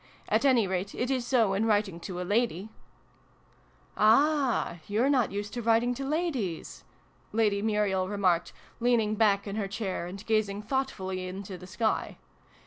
At any rate, it is so in writing to a lady !" "Ah! you're not used to writing to ladies!" Lady Muriel remarked, leaning back in her chair, and gazing thoughtfully into the sky.